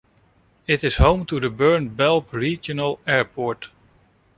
It is home to the Bern-Belp regional airport.